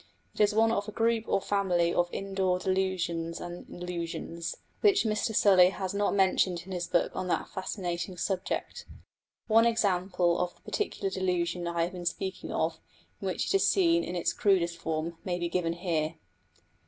It is one of a group or family of indoor delusions and illusions, which Mr Sully has not mentioned in his book on that fascinating subject. One example of the particular delusion I have been speaking of, in which it is seen in its crudest form, may be given here.